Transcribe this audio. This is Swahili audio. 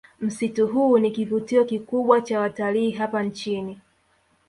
Msitu huu ni kivutio kikubwa cha watalii hapa nchini